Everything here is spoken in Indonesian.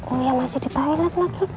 oh iya masih di pilot lagi